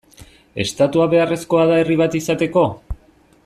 Estatua beharrezkoa da herri bat izateko?